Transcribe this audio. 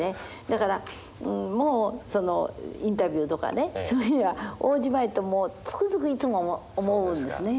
だからもうインタビューとかねそういうのには応じまいともうつくづくいつも思うんですね。